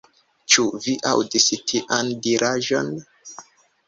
Ĉu vi aŭdis tian diraĵon?